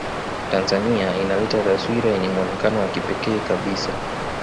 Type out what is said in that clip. Tanzania inaleta taswira yenye muonekano wa kipekee kabisa